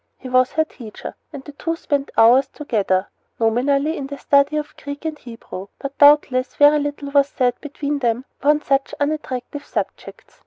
He was her teacher, and the two spent hours together, nominally in the study of Greek and Hebrew; but doubtless very little was said between them upon such unattractive subjects.